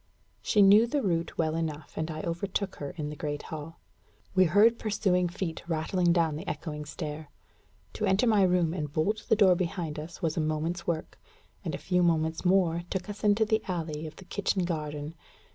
She knew the route well enough, and I overtook her in the great hall. We heard pursuing feet rattling down the echoing stair. To enter my room and bolt the door behind us was a moment's work; and a few moments more took us into the alley of the kitchen garden.